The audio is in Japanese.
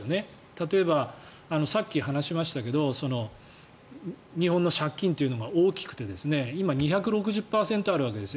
例えばさっき話しましたが日本の借金というのが大きくて今、２６０％あるわけです